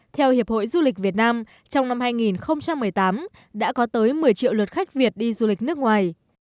theo hiệp hội du lịch việt nam trong năm hai nghìn một mươi tám đã có tới một mươi triệu lượt khách việt đi du lịch nước ngoài